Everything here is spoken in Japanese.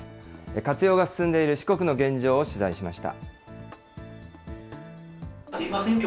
活用が進んでいる四国の現状を取材しました。